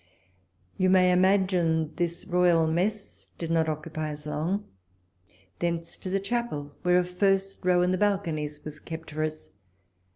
You may imagine this royal mess did not occupy us long : thence to the Chapel, where a first row in the balconies was kept for us.